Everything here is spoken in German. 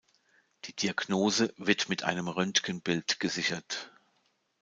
Die Diagnose wird mit einem Röntgenbild gesichert.